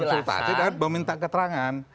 nah beda konsultasi dan meminta keterangan